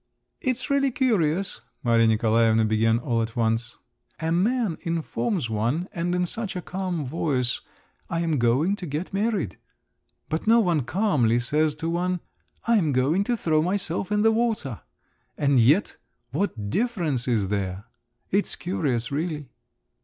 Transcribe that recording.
"It's really curious," Maria Nikolaevna began all at once. "A man informs one and in such a calm voice, 'I am going to get married'; but no one calmly says to one, 'I'm going to throw myself in the water.' And yet what difference is there? It's curious, really."